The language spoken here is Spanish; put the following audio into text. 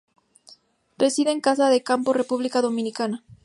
Reside en Casa de Campo, República Dominicana.